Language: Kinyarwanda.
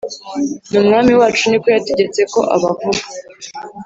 N Umwami wacu ni ko yategetse ko abavuga